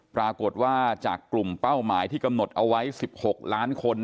ปรากฏว่าจากกลุ่มเป้าหมายที่กำหนดเอาไว้๑๖ล้านคน